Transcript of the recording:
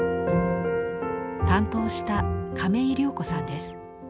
担当した亀井亮子さんです。